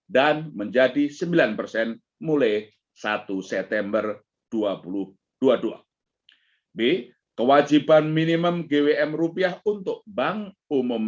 dua ribu dua puluh dua dan menjadi sembilan mulai satu september dua ribu dua puluh dua b kewajiban minimum gwm rupiah untuk bank umum